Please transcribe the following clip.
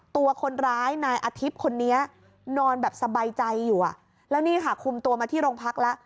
ตัวคนร้ายนายอาทิตย์คนนี้นอนแบบสบายใจอยู่อ่ะแล้วนี่ค่ะคุมตัวมาที่โรงพักแล้ว